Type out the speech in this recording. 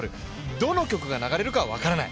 どの曲が流れるかは分からない